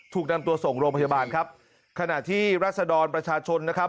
ถูกนำตัวส่งโรงพยาบาลครับขณะที่รัศดรประชาชนนะครับ